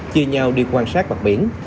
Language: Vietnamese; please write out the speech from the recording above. chia nhau đi quan sát bậc biển